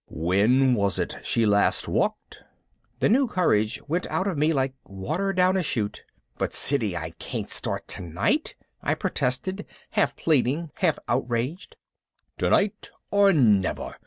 "When was it she last walked?" The new courage went out of me like water down a chute. "But Siddy, I can't start tonight," I protested, half pleading, half outraged. "Tonight or never!